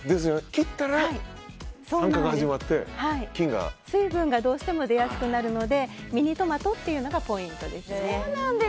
切ったら酸化が始まって水分が出やすくなるのでミニトマトっていうのがポイントですね。